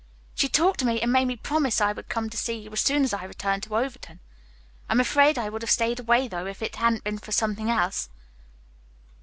She talked to me and made me promise I would come to see you as soon as I returned to Overton. I am afraid I would have stayed away, though, if it hadn't been for something else."